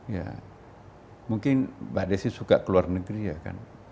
ya mungkin mbak desi suka ke luar negeri ya kan